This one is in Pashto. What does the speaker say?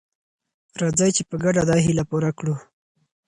راځئ چې په ګډه دا هیله پوره کړو.